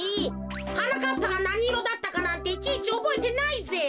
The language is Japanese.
はなかっぱがなにいろだったかなんていちいちおぼえてないぜ。